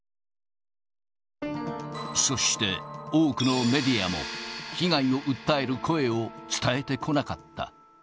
そして、多くのメディアも被害を訴える声を伝えてこなかった。